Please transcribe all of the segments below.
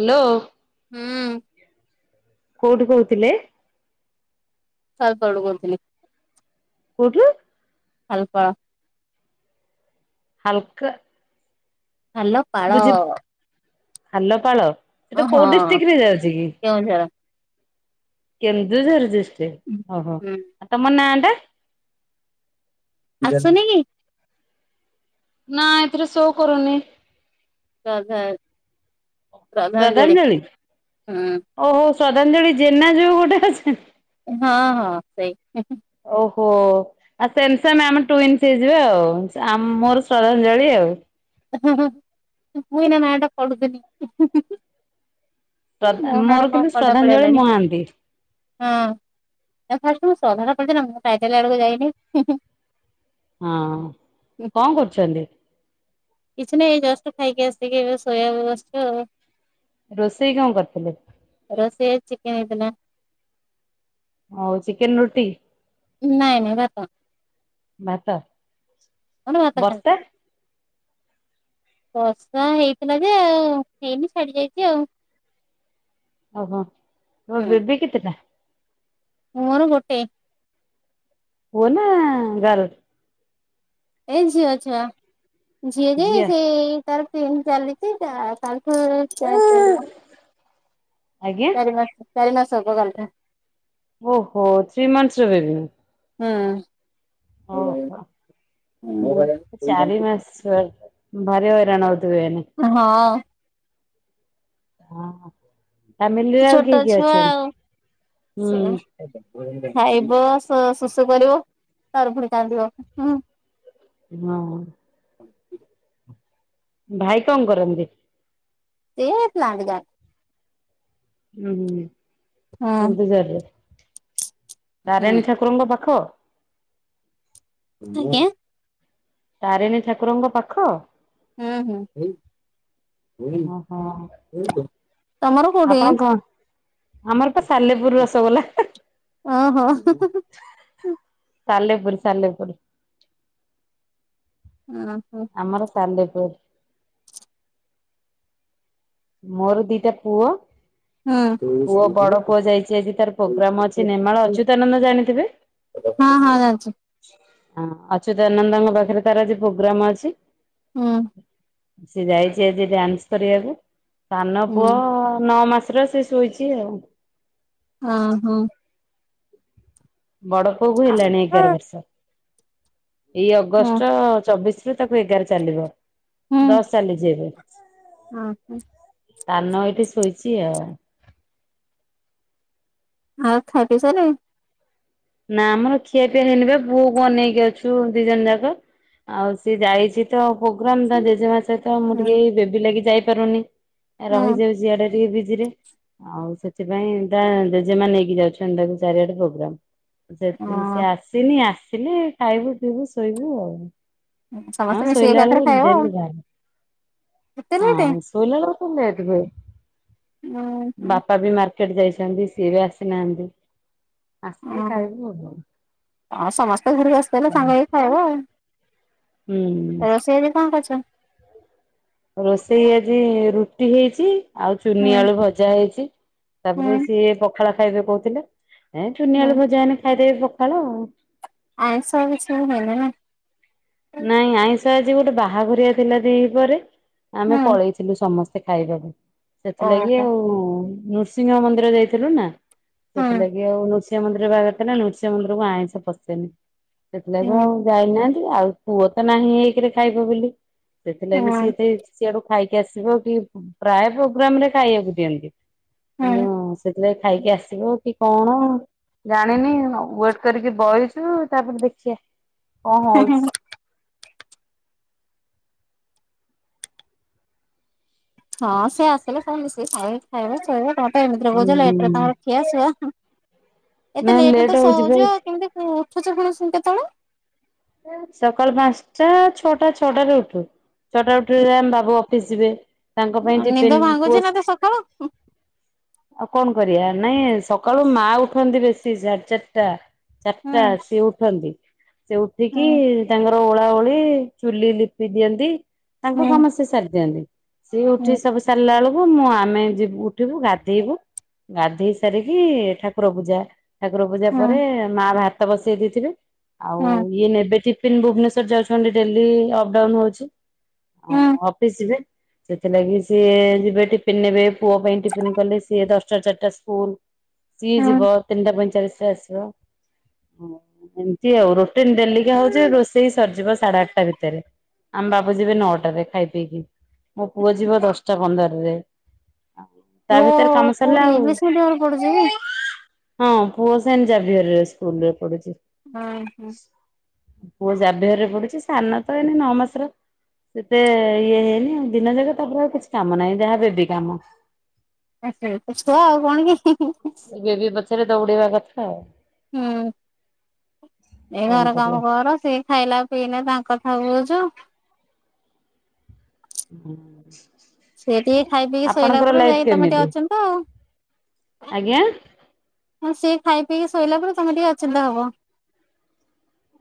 Hello. ହୁଁ। କଉଠୁ କହୁଥିଲେ। ସାରୁ ତାଳୁ କରୁଥିଲି [unintelligible] କୋଉଠୁ? ଖାଲପାଳ [unintelligible] ହାଲକା। ହ୍ୟାଲୋ। ବୁଝିଲେ, ଖାଲପାଳ। ଓହଁ, କେଉଁଝର। କେନ୍ଦୁଝର ଡିଷ୍ଟ୍ରିକ ଓହୋ ହୁଁ ଆଉ ତମ ନାଁ ଟା? ଆସୁନି କି? ନା ଏଥିରେ ସୋ କରୁନି। [unintelligible] ଶ୍ରଦ୍ଧାଞ୍ଜଳି ହୁଁ ଓହୋ ଶ୍ରଦ୍ଧାଞ୍ଜଳି ଜେନା ଯୋଉ ଗୋଟେ ଆସେ। ହଁ ହଁ ସେଇ ଓହୋ। ଆଉ ସେମ ସେମ୍ ଆମେ ଟୁଇନସ ହେଇଯିବା ଆଉ ମୋର ଶ୍ରଦ୍ଧାଞ୍ଜଳି ଆଉ ମୁଁ ଏଇନା ନାଆଟା ପଢ଼ୁଥିଲି ମୁଁ କହିଲି ମୋ ମୋର ନାଆରେ କିନ୍ତୁ କଣ କଲଟା ଶ୍ରଦ୍ଧାଞ୍ଜଳି ପଳେଇଆଇଲାଣି। ମହାନ୍ତି ହଁ ଫାଷ୍ଟ ମୁଁ ଶ୍ରଦ୍ଧାଜଳି ପଢିଲି ନା ମୁଁ ଟାଇଟଲ ଆଡକୁ ଯାଇନି। ହଁ, କଣ କରୁଛନ୍ତି? କିଛି ନାହିଁ ଏଇ ଜଷ୍ଟ ଖାଇକି ଆସିକି ଏବେ ଶୋୟାକୁ ବସଛି ଆଉ ରୋଷେଇ କଣ କରିଥିଲେ? ରୋଷେଇ ଚିକେନ ହେଇଥିଲା। [inaudible] ହଉ ଚିକେନ ରୁଟି, ନାଇଁ ନାଇଁ ଭାତ ଭାତ। ଆମର ଭାତ ବର୍ଷା ଖାଆନ୍ତି। ବର୍ଷା ହେଇଥିଲା ଯେ ଆଉ ହେଇକି ଛାଡି ଯାଇଛି ଆଉ। ଓହୋ ଆଉ ହୁଁ। ବେବି କେତେଟା? ମୋର ଗୋଟେ। ପୁଅ ନା ଗାରୁ। ଏଇ ଝିଅ ଛୁଆ ଝିଅଯେ ଝିଅ ସେଇ ତାର ତିନି ଚାଲିଛି ତା ତାକୁ ଚାରି ଚାଲିବ। ଆଜ୍ଞା ଚାରି ମାସ୍ ଚାରି ମାସ ହେବ ଗଲା। ଓହୋ ଥ୍ରୀ ମନ୍ଥସର ବେବି? ହଁ, ଓହୋ। [unintelligible] ହୁଁ। ଚାରି ମାସ ଭାରି ହଇରାଣ ହଉଥିବେ ଏଇନେ। ହଁ। ହଁ ଫ୍ୟାମିଲିରେ ଆଉ କିଏ ଛୋଟ କିଏ ଛୁଆ ଅଛନ୍ତି, ଆଉ ହୁଁ। ସେ ଖାଇବ ସୋ ଶୁଶୁ କରିବ ତାପରେ କାନ୍ଦିବ। ହଁ। ଭାଇ କଣ କରନ୍ତି? ସିଏ ପ୍ଲାଟ ଗା। ହୁଁ ହୁଁ ଯାଆନ୍ତି କେନ୍ଦୁଝରରେ, ହୁଁ ତାରିଣୀ ଠାକୁରଙ୍କ ପାଖ? ଆଜ୍ଞା? ତାରିଣୀ ଠାକୁରଙ୍କ ପାଖ? ହୁଁ ହୁଁ, ଓହୋ [unintelligible] ତମର କୋଉଠି? ଆମରପା ସାଲେପୁର ରସଗୋଲା। ଅହଁ। ସାଲେପୁର ସାଲେପୁର ହୁଁ ହୁଁ। ଆମର ସାଲେପୁର। ମୋର ଦିଟା ପୁଅ- - ହୁଁ। ପୁଅ ବଡ ପୁଅ ଯାଇଚି। ଆଜି ତାର ପୋଗ୍ରାମ ଅଛି ନେମାଳ ଅଚ୍ୟୁତାନନ୍ଦ ଜାଣିଥିବେ? ହଁ ହଁ ଜାଣିଚି। ହଁ ଅଚ୍ୟୁତାନନ୍ଦଙ୍କ ପାଖରେ ତାର ଆଜି ପୋଗ୍ରାମ ଅଛି। ହୁଁ। ସେ ଯାଇଚି ଆଜି ଡ୍ୟାନ୍ସ କରିବାକୁ। ସାନ ପୁଅ ହୁଁ ନଅ ମାସର ସେ ଶୁଇଚି ଆଉ। ହଁ ହଁ। ବଡ ପୁଅ କୁ ହେଲାଣି ଏଗାର ବର୍ଷ ଏଇ ହୁଁ ଅଗଷ୍ଟ ଚବିଶି ତାକୁ ଏଗାର ଚାଲିବ ଦଶ ଚାଲିଚି ଏବେ। ହଁ ସାନ ଏଇଠି ଶୋଇଛି ଆଉ। ଆଉ ଖାଇ ପି ସାରିଲଣି। ନା ଆମର ଖିଆ ପିଆ ହେଇନି ବା ପୁଅ କୁ ଅନେଇକି ଅଛୁ ଦି ଜଣ ଯାକ। ଆଉ ସିଏ ଯାଇଚି ତ ପୋଗ୍ରାମ ତା ହୁଁ ଜେଜେମା ସହିତ ମୁଁ ଟିକିଏ ବେବି ଲାଗି ଯାଇପାରୁନି। ହୁଁ ରହିଯାଉ ସିଆଡେ ଟିକେ ଦିଦିନି ଆଉ ସେ। ସେପାଇଁ ତା ଜେଜେମା ନେଇକି ଯାଉଚନ୍ତି ତାକୁ ଚାରିଆଡେ ପୋଗ୍ରାମ। ଦେଖିନି ସେ ଆସିନି ଆସିଲେ ଖାଇବୁ ପିଇବୁ ଶୋଇବୁ ଆଉ। ଅ ସମସ୍ତେ ହଁ ମିଶିକି ଶୋଇଲା ଏକାଥରେ ବେଳକୁ ଖାଇବ ଆଉ ଦେଲି ବାର। ଏତେ ଲେଟ୍ ହଁ ଶୋଇଲା ବେଳେ ଲେଟ୍ ଉଁ ହୁଁ। ବାପା ବି ମା- - ର୍କଟ ଯାଇଚନ୍ତି ସିଏ ବି ଆସିନାହାନ୍ତି। ଆସିଲେ ହଁ ଖାଇବୁ ଆଉ। ହଁ ସମସ୍ତେ ଘରେ ଆସିଲେ ସାଙ୍ଗ ହେଇ ଖାଇବା ଆଉ। ହୁଁ। ରୋଷେଇରେ କଂ କରିଚ? ରୋଷେଇ ଆଜି ରୁଟି ହେଇଚି। ଆଉ ହୁଁ ଚୁନି ଆଳୁ ଭଜା ହେଇଚି ତାପରେ ହୁଁ ସିଏ ପଖାଳ ଖାଇବେ କହୁଥିଲେ। ଏ ହୁଁ ଚୁନିଆଳୁ ଭଜା ହେନେ ଖାଇଦେବେ ପଖାଳ ଆଉ। ଆଇଁଷ କିଛି ହୁଅନି ନା? ନାଇଁ ଆଇଁଷ ଆଜି ଗୋଟେ ବାହାଘରଆ ଥିଲା ଦ୍ୱିପ୍ରହରେ ଆମେ ହୁଁ ପଳେଇ ଥିଲୁ ସମସ୍ତେ ଖାଇବାକୁ। ସେଥିଲାଗି ଓହୋ ଆଉ ନୃସିଂହ ମନ୍ଦିର ଯାଇଥିଲୁ ନା ହୁଁ ସେଥିଲାଗି ଆଉ ନୃସିଂହ ମନ୍ଦିର ବାହାଘର ଥିଲା ନା ନୃସିଂହ ମନ୍ଦିରକୁ ଆଇଁଷ ପଶେନି। ହୁଁ ସେଥିଲାଗି ଆଉ ଯାଇନାହାନ୍ତି। ଆଉ ପୁଅ ତ ନାହିଁ ଏକେରେ ଖାଇବ ବୋଲି। ସେଥିଲାଗି ହୁଁ। ସିଏ ତ ସିଆଡୁ ଖାଇକି ଆସିବ କି ପ୍ରାୟ ପୋଗ୍ରାମ ରେ ଖାଇଆକୁ ଦିଅନ୍ତି। କିନ୍ତୁ ସେଥିଲାଗି ଖାଇକି ଆସିବ କି- - କଣ ଜାଣିନି ୱେଟ୍ କରିକି ବଇଚୁ ତାପରେ ଦେଖିଆ। କଁ ହୁଁ ହୋଉଚି। ହଁ ସେ ଆସିଲେ ସବୁ ମିଶିକି ଖାଇବେ। ଖାଇବା ଶୋଇବା ତମର ତ ଏମିତିରେ କହୁଚ ଲେଟ୍ ରେ ହୁଁ ତାଙ୍କର ଖିଆ ସୁଆ ହୁଁ। ଏତେ ନାଇଁ ଲେଟ୍ ରେ ତ ହଉଛି ଶୋଉଚ ଭାଇ କେମିତି ଉଠୁଚ ପୁଣି କେତେବେଳେ। ସକାଳ ପାଞ୍ଚଟା ଛଅଟା ଛଅଟା ରେ ଉଠୁ। ଛଟାରେ ଉଠିଲେ ଆମ ବାବୁ ଅଫିସ ଯିବେ। ତାଙ୍କ ପାଇଁ ଟିଫିନ୍ ନିଦ ଭାଙ୍ଗୁଛି ପୋସ୍ ନା - ତ ସକାଳୁ। ହୁଁ - ଆଉ କଣ କରିବା। ନାଇଁ ସକାଳୁ ମା ଉଠନ୍ତିନି ସେ ସାଢେ ଚାରିଟା। ଚାରିଟା ସିଏ ଉଠନ୍ତି। ସେ ଉଠିକି ହୁଁ ତାଙ୍କର ଓଳା ଓଳି ଚୁଲି ଲିପି ଦିଅନ୍ତି ତାଙ୍କ ହୁଁ ସମସ୍ତେ ସାରି ଦିଅନ୍ତି। ସିଏ ଉଠି ହୁଁ ସବୁ ସାରିଲା ବେଳକୁ ମୁଁ ଆମେ ଯିବୁ ଉଠିବୁ ଗାଧେଇବୁ। ଗାଧେଇ ସାରିକି ଠାକୁର ପୂଜା। ଠାକୁର ପୂଜା ହୁଁ ପରେ ମା ଭାତ ବସେଇ ଦେଇଥିବେ ଆଉ ହୁଁ ଇଏ ନେବେ ଟିଫନ୍ ଭୁବନେଶ୍ଵର ଯାଉଛନ୍ତି ଡେଲି ଅପଡାଉନ ହଉଛି। ହୁଁ ଅଫିସ୍ ଯିବେ। ସେଥିଲାଗି ସିଏ ଯିବେ ଟିଫିନ ନେବେ ପୁଅ ପାଇଁ ଟିଫିନ କଲେ ସିଏ ଦଶଟା ରୁ ଚାରିଟା ସ୍କୁଲ। ସିଏ ହୁଁ ଯିବ ତିନିଟା ପଇଁଚାଳିଶ ରେ ଆସିବ ଆସିବ ଏମତି ଆଉ ରୋଟିନ ଡେଲିକା ହଉଛି ରୋଷେଇ ସରିଯିବ ସାଢେ ଆଠଟା ଭିତରେ। ଆମ ବାବୁ ଯିବେ ନଅଟାରେ ଖାଇ ପିଇକି ମୋ ପୁଅ ଯିବ ଦଶଟା ପନ୍ଦର ରେ। ଆ ତା ଓ ଭିତରେ କାମ ସାରିଲା କୋଉଠି ଆଉ ଇଂଲିଶ ମିଡିୟମରେ ପଢୁଛି କି? ହଁ ପୁଅ ସେନ ଜାଭିହର ସ୍କୁଲ ରେ ପଢୁଛି। ଏ ହଁ। ପୁଅ ଜାଭିହର ରେ ପଡୁଚି ସାନ ତ ଏଇନେ ନଅ ମାସର ସେତେ ଇଏ ହେଇନି ଦିନେ ଦିନେ ଯାକ ତାପରେ ଆଉ କିଛି କାମ ନାହିଁ ଯାହା ବେବି କାମ। ସେଇତ ଛୁଆ ଆଉ କଣ କି? ବେବି ପଛରେ ଦୌଡିବା କଥା ଆଉ। ହୁଁ ଏ କଣ ଘର କରିବା। କାମ କର ସେ ଖାଇଲା ପିଇଲା ତାଙ୍କ କଥା ବୁଝୁ। ହୁଁ। ସିଏ ଟିକେ ଖାଇ ପିଇକି ଶୋଇଲା ପରେ ଯାଇକି ତମେ ଟିକେ କେମିତି? ଅଚିନ୍ତା ଆଉ। ଆଜ୍ଞା ହଁ ସିଏ ଖାଇ ପିଇକି ଶୋଇଲା ପରେ ତମେ ଟିକେ ଅଚିନ୍ତା ହବ।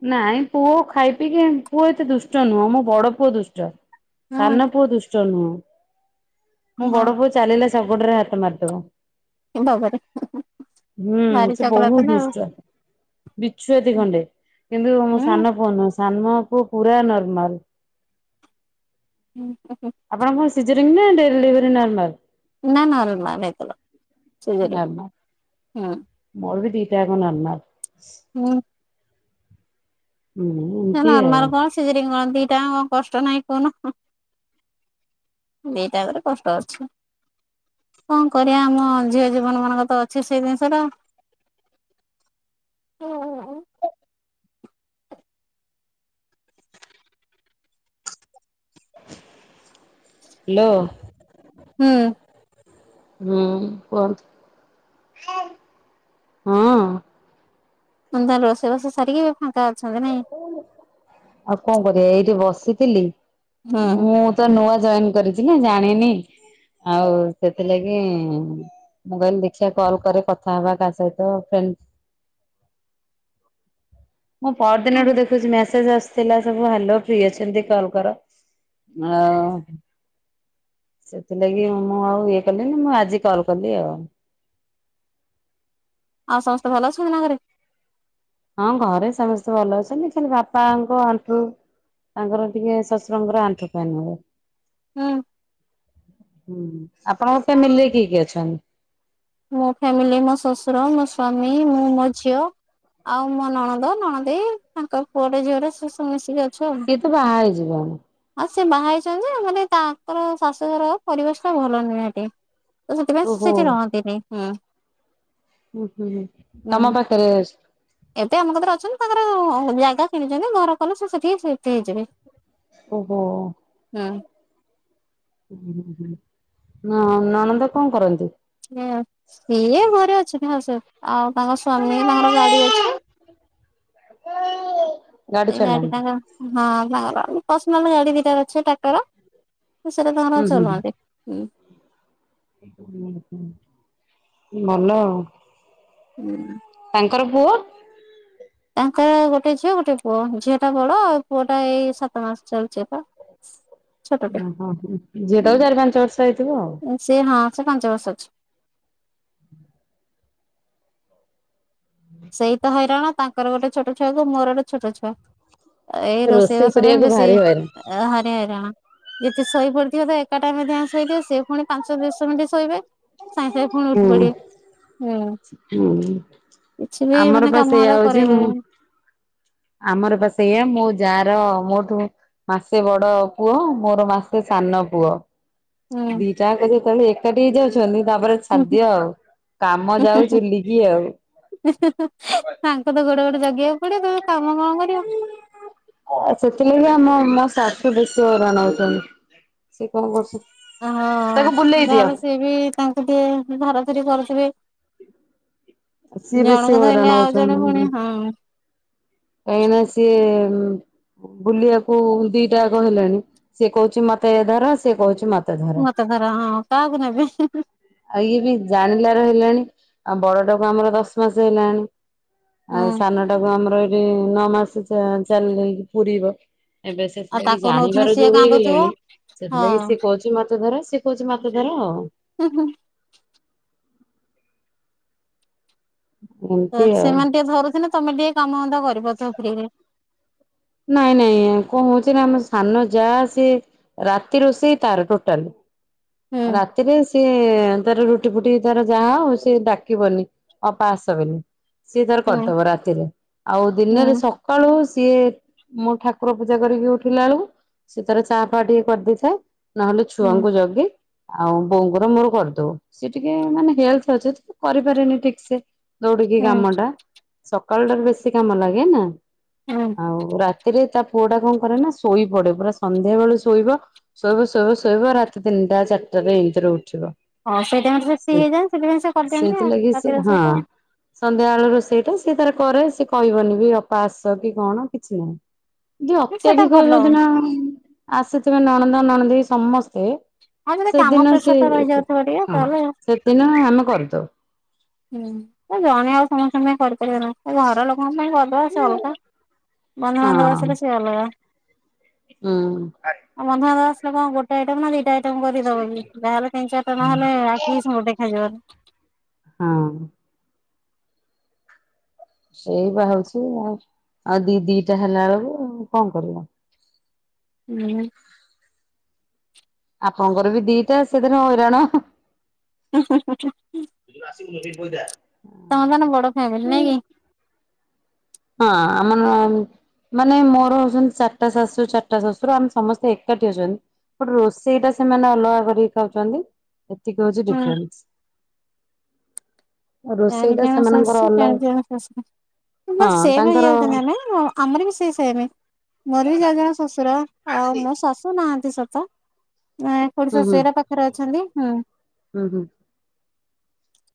ନାଇଁ ପୁଅ ଖାଇ ପି କି ପୁଅ ଏତେ ଦୁଷ୍ଟ ନୁହଁ ମୋ ବଡ ପୁଅ ଦୁଷ୍ଟ। ସାନ ହୁଁ ପୁଅ ଦୁଷ୍ଟ ନୁହଁ ମୋ ବଡ ପୁଅ ଚାଲିଲା ଶଗଡ଼ ରେ ହାତ ମାରିଦବ। ବା ବା ରେ। ହୁଁ ସେ ବହୁତ ଦୁଷ୍ଟ ବିଛୁଆତି ଖଣ୍ଡେ। କିନ୍ତୁ ମୋ ସାନ ପୁଅ ନୁହଁ ସାନ ପୁଅ ପୁରା ନର୍ମାଲ। ହୁଁହୁଁ ହୁଁ। ଆପଣ କଣ ସିଜରିଙ୍ଗ ନା ଡେଲିଭରି ନର୍ମାଲ? ନା ନର୍ମାଲ ହେଇଥିଲା ନର୍ମାଲ ସିଜରିଙ୍ଗ ହୁଁ। ମୋର ବି ଦିଟା ଙ୍କ ନର୍ମାଲ। ହୁଁ। ହୁଁ। ନା ଏମିତି ଆଉ ନର୍ମାଲ କଣ ସିଜରିଙ୍ଗ କଣ ଦିଟା ଙ୍କ କଣ କଷ୍ଟ ନାହିଁ କହୁନ? ଦିଟାଙ୍କ ରେ କଷ୍ଟ ଅଛି। କଣ କରିବା ଆମ ଝିଅ ଜୀବନ ମାନଙ୍କ ତ ଅଛି ସେଇ ଜିନିଷଟା। ହାଲୋ। ହୁଁ। ହୁଁ କୁହନ୍ତୁ ହ। ହୁଁ ତାହାଲେ ରୋଷେଇବାସ ସାରିକି ଫାଙ୍କା ଅଛନ୍ତି ନାଇଁ। ଆଉ କଣ କରିବା? ଏଇଠି ବସିଥିଲି ହୁଁ। ମୁଁ ତ ନୂଆ ଜଏନ୍ କରିଚି ନା ଜାଣିନି ଆଉ ସେଥିଲାଗି ମୁ କହିଲି ଦେଖିବା କଲ କରେ କଥା ହବା କାହା ସହିତ ଫେ ମୁଁ ପରଦିନଠୁ ଦେଖୁଛି ମେସେଜ ଆସୁ ଥିଲା ସବୁ ହଲୋ ଫ୍ରି ଅଛନ୍ତି କଲ୍ କର ଆ ସେଥିଲାଗି ମୁଁ ଆଉ ଇଏ କଲିି ନି ମୁଁ ଆଜି କଲ୍ କଲି ଆଉ। ଆଉ ସମସ୍ତେ ଭଲ ଅଛନ୍ତି ନା ଘରେ। ହଁ ଘରେ ସମସ୍ତେ ଭଲ ଅଛନ୍ତି ଖାଲି ବାପାଙ୍କ ଆଣ୍ଠୁ ତାଙ୍କର ଟିକେ ଶଶୁରଙ୍କ ର ଆଣ୍ଠୁ ପେନ ହୁଏ। ହୁଁ ହୁଁ ଆପଣଙ୍କ ଫାମିଲି ରେ କିଏ କିଏ ଅଛନ୍ତି? ମୋ ଫ୍ୟାମିଲି ମୋ ଶଶୁର ମୋ ସ୍ଵାମୀ ମୁଁ ମୋ ଝିଅ। ଆଉ ମୋ ନଣଦ ନଣଦେଇ ତାଙ୍କ ପୁଅଟେ ଝିଅଟେ ସେ ସବୁ ମିଶିକି ଅଛ ସିଏ ତ ବାହା ହେଇଯିବ ଣି। ଆଉ ସେ ବାହା ହେଇଛନ୍ତି ଯେ ମାନେ ତାଙ୍କର ଶାଶୁ ଘର ପରିବେଶ ଟା ଭଲ ନୁହେଁ ସେଠି। ତ ସେଥି ପାଇଁ ଓହୋ ସେଇଠି ରହନ୍ତିନିଁ ହୁଁ। ହୁଁ ହୁଁ ହୁ ତମ ହୁଁ। ପାଖରେ ଏବେ ଆମ କଥରେ ଅଛନ୍ତି ତାଙ୍କର ଜାଗା କିଣିଛନ୍ତି ଘର କଲେ ସେ ସେଠିକି ସିଫ୍ଟ ହେଇଯିବେ। ଓହୋ। ହୁଁ ଓ ହ ନଣନ୍ଦ କଣ କରନ୍ତି? ସିଏ ଘରେ ଅଛନ୍ତି ହଁ ସେ ଆଉ ତାଙ୍କ ସ୍ଵାମୀ ତାଙ୍କର ଗାଡି ଅଛି ସେଇ ଗାଡି ତାଙ୍କର ହଁ ତାଙ୍କର ପର୍ସନାଲ ଗାଡି ଦିଟ ଅଛ ଟାକ୍ଟର ସେଇଟା ତର ହୁଁ ହୁଁ ଚଲନ୍ତି ହୁଁ। ଭଲ ଆଉ। ହୁଁ। ତାଙ୍କର ପୁଅ ତାଙ୍କର ଗୋଟେ ଝିଅ ଗୋଟେ ପୁଅ ଝିଅ ଟା ବଡ ଆଉ ପୁଅ ଟା ଏଇ ସାତ ମାସ ଚାଲିଛିତ। ଓହୋ ହୋ ଝିଏ ତକୁ ଚାରି ପାଞ୍ଚ ବର୍ଷ ହେଇଥିବ ଆଉ। ହୁଁ ସେ ହଁ ସେ ପାଞ୍ଚ ବର୍ଷ ଅଛି। ସେଇ ତ ହଇରାଣ ତାଙ୍କର ଗୋଟେ ଛୋଟ ଛୁଆକୁ ମୋର ଗୋଟେ ଛୋଟ ଛୁଆ। ଏଇ ରୋଷେଇ ବାସ ପାଇଁ କରିବାକୁ ବେଶୀ ଭାରି ହଇରାଣ। ହାନି ହଇରାଣ। ଯଦି ଶୋଇ ପଡିଥିବେ ତ ଏକାଟାଇମ ରେ ଦୁଇ ଜଣ ଶୋଇଥିବେ ସେ ପୁଣି ପାଞ୍ଚ ଦଶ ମିନିଟ୍ ଶୋଇବେ ସାଙ୍ଗେ ସାଙ୍ଗେ ପୁଣି ହୁଁ ଉଠି ପିବେ ହୁଁ। ହୁଁ କିଛି ବି ମାନେ ଆମର ପା କାମ ସେଇଆ ଅରା ହଉଛି ମୁଁ କରେଇଦେବେନି। ଆମର ପା ସେଇୟା ମୋ ଯା ର ମୋଠୁ ମାସେ ବଡ ପୁଅ ମୋର ମାସେ ସାନ ପୁଅ ହୁଁ ଦିଟା ଙ୍କ ଯେତେଳେ ଏକାଠି ହେଇ ଯାଉଛନ୍ତି ତାପରେ ହୁଁ ଖାଦିଅ ଆଉ କାମ ଯାଉ ଚୁଲିକି ଆଉ। ସାଙ୍ଗ ତ ଗୋଟେ ଗୋଟେ ଜଗେଇିବାକୁ ପଡିବ ତମେ କାମ କଣ କର ସେଥିଲାଗି ଆମ ମା ସାଶୁ ବେଶୀ ହଇରାଣ ହୋଉଛନ୍ତି। ସେ କଣ କରୁଛ ହଁ ଯହେଲେ ସିଏ ବି ତାଙ୍କୁ ଟିକେ ଧରା ଧରି କରୁଥିବେ ସିଏ ବେଶୀ ଜଣଙ୍କ ହଇରାଣ ଧରିଲେ ଆଉ ହଉଛନ୍ତି ଜଣେ ପୁଣି ହଁ କାହିଁକି ନା ସେ ବୁଲିବାକୁ ଦିଟା କହିଲେଣି ସେ କହୁଛି ମାତା ଧାରା ସେ କହୁଛି ମା ମତେ ଧର ହଁ କାହାକୁ ନେବେ ଆଉ ଇଏ ବି ଜାଣିଲାର ହେଲାଣି ଆଉ ବଡଟାକୁ ଆମର ଦଶ ମାସ ହେଲାଣି। ଆଉ ହୁଁ। ସାନ ଟାକୁ ଆମର ଏଇଠି ନଅ ମାସ ଚାଲିକି ପୁରୁରିବ। ଏବେ ଆଉ ସେଥିଲାଗି ତାକୁ ନଉଥିଲେ ଜାଣିବାର ସିଏ ଯୋଉ କାନ୍ଦୁଥିବ ହେଇଗଲେଣି ସେଥିଲାଗି କିି ସେି କହୁଛି ମାଛ ଧର ସିଏ କହୁଛି ମାଛ ଧର ଆଉ। ହୁଁ ହୁଁ ତ ଏମିତି ଆଉ। ସେମାନେ ଟିକେ ଧରୁଥିଲେ ତମେ ଟିକେ କାମ ଧନ୍ଦା କରିବ ଫ୍ରିରେ। ନାଇଁ ନାଇଁ କଣ ହଉଛି ନା ଆମ ସାନ ଯାହା ସି ରାତି ରୋଷେଇ ତାର ଟୋଟାଲ ହୁଁ ରାତିରେ ସିଏ ତାର ର ଫୁଟି ଫୁଟି ତାର ଯାହା ହଉ ସେ ଡାକିବନି ଅପା ଆସବନି ସିଏ ତାର ହୁଁ କରିଦବ ରାତିରେ ଆଉ ଦିନରେ ହୁଁ ସକଳୁ ସିଏ ମୋ ଠାକୁର ପୂଜା କରିକି ଉଠିଲା ବେଳକୁ ସେ ତାର ଚା ଫା ଟିକେ କରିଦେଇଥାଏ ନହେଲେ ହୁଁ ଛୁଆଙ୍କୁ ଜଗେ ଆଉ ବଉଙ୍କର ମୋର କରିଦଉ, ସିଏ ଟିକେ ମାନେ ହେଲ୍ଥ ଅଛି ତ କରିପାରେନି ଠିକ୍ ସେ। ଦୌଡିକି ହୁଁ କାମ ଟା ସକାଳୁ ଟାରୁ ବେଶୀ କାମ ଲାଗେ ନା। ହୁଁ ଆଉ ରାତିରେ ତା ପୁଅଟା କଣ କରେ ନା ଶୋଇ ପଡେ, ପୁରା ସନ୍ଧ୍ୟା ବେଳଳେ ଶୋଇବ ଶୋଇବ ଶୋଇବ ଶୋଇବ ରାତି ତିନିଟା ଚାରିଟାରେ ଏମିତିରେ ଉଠିବ। ହଁ ସେଇଥିଇରେ ସେ ଫ୍ରି ହେଇଯାନ୍ତି ସେଥିପାଇଁ ସେ କରିଦିଅନ୍ତି ଆଉ ସେଇଥିଲାଗି ସେ ରାତି ହଁ। ସହିତ ସନ୍ଧ୍ୟାବେଳ ର ସେଇଟା ସିଏ ତାର କରେ ସ ସେ କହିବନି ବି ଅପା ଆସ କି କଣ କିଛି ନାହିଁ। ଯ ସେଟା ଅତ୍ୟଧିକ ଭଲ ଯଦିିନ ଆସିଥିବେ ନଣନ୍ଦ ନଣଦେଇ ସମସ୍ତେ। ଆଉ ଯଦେ କାମ ସେଦିନ ପ୍ରେସର ଟା ରହିଯାଉଥିବ ଟିକେ ତାହେଲେ ଦିନୁ ଆମେ କରିଥାଉ। ହୁଁ ତ ଜଣେ ଆଉ ସମସ୍ତଙ୍କ ପାଇଁ କରିପାରିବ ନା ଘର ଲୋକଙ୍କ ପାଇଁ କରି ବସ ଅଲଗା ବନ୍ଧୁ ହଁ ବାନ୍ଧବ ଆସିଲେ ସେ ଅଲଗା। ହୁଁ। ଆଉ ବନ୍ଧୁ ବାନ୍ଧବ ଆସଲେ କଣ ଗୋଟେ ଆଇଟମ୍ ନା ଦିଟା କରିଦବ ବି। ଯାହେଲେ ତିନି ଚାରିଟା ନହେଲେ ଆଖି କୁ ସବୁ ଦେଖା ଜୀବନୀ। ହଁ। ସେଇ ବା ହଉଛି ଆ ଆଉ ଦି ଦିଟା ହେଲା ବେଳକୁ କଣ କରିବା। ହୁଁ। ଆପଣଙ୍କର ବି ଦିଟା ସେଦିନ ହଇରାଣ। ହୁଁ ହୁ ହୁଁ ହୁଁ ଆସିିବ ମୁ [unintelligible] ତମର ତାନେ ବଡ ଫ୍ୟାମିଲି ନାଇଁ କି? ହଁ ଆମ ମାନେ ମୋର ହୋଉଛନ୍ତି ଚାରିଟା ଶାଶୁ ଚାରିଟା ଶ୍ୱଶୁର ଆମେ ସମସ୍ତେ ଏକାଠି ଅଛନ୍ତି। ରୋଷେଇ ଟା ସେମାନେ ଅଲଗା କରିକି ଖାଉଛନ୍ତି ଏତିକି ହଉଛି ହୁଁ ଡିଫରେନ୍ସ। [unintelligible] ରୋଷେଇ ଆମର ଟା ବି ସେଇ ସେମାନଙ୍କର ଅଲ ହଁ ତାଙ୍କର ସେମ୍। ମୋର ବି ଯେ ଜଣେ ଶ୍ୱଶୁର ଆଉ ମୋ ଶାଶୁ ନାହାନ୍ତି ସତ ଖୁଡୀ ହୁଁ ହୁଁ ଶାଶୁ ହାରିକା ପାଖରେ ଅଛନ୍ତି। ହୁଁ। ହୁଁ ହୁଁ।